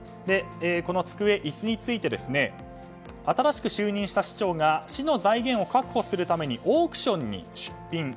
この机と椅子について新しく就任した市長が市の財源を確保するためにオークションに出品。